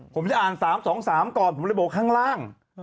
ผมจะอ่าน๓๒๓ก่อนผมเลยบอกข้างล่าง